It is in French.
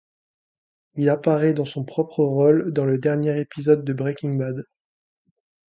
Il apparait dans son propre rôle dans le dernier épisode de Breaking Bad.